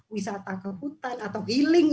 wisata ke hutan atau healing